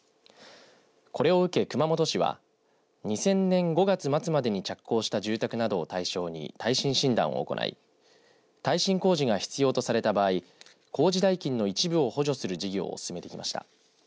これを受け熊本市は２０００年５月末までに着工した住宅などを対象に耐震診断を行い耐震工事が必要とされた場合工事代金の一部を補助する事業を進めてきました。